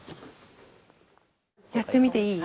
やってみていい？